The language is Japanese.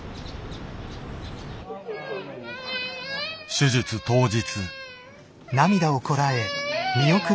手術当日。